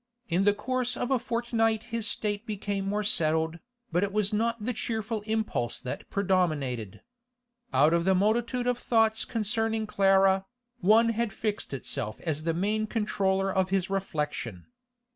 In the course of a fortnight his state became more settled, but it was not the cheerful impulse that predominated. Out of the multitude of thoughts concerning Clara, one had fixed itself as the main controller of his reflection.